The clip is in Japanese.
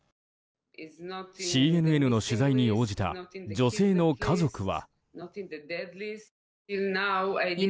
ＣＮＮの取材に応じた女性の家族は。